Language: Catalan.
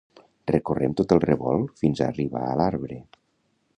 Recorrem tot el revolt fins a arribar a l'arbre.